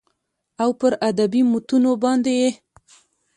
او پر ادبي متونو باندې يې